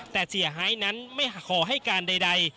แต่เสียหายนั้นไม่ขอให้การใด